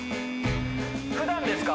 ふだんですか？